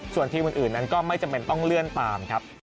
ส่วนทีมอื่นนั้นก็ไม่จำเป็นต้องเลื่อนตามครับ